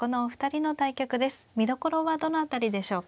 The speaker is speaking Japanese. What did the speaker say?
見どころはどの辺りでしょうか。